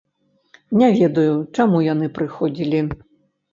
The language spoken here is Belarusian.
Не ведаю, чаму яны прыходзілі.